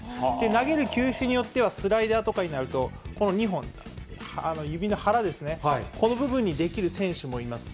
投げる球種によっては、スライダーとかになると、この２本、指の腹ですね、この部分に出来る選手もいます。